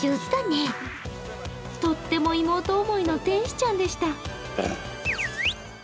とっても妹思いの天使ちゃんでした。